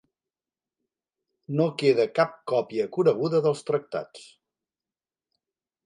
No queda cap còpia coneguda dels tractats.